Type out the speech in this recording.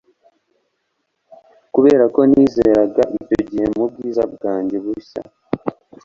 kuberako nizeraga icyo gihe, mubwiza bwanjye bushya